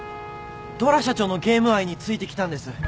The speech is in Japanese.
虎社長のゲーム愛についてきたんです。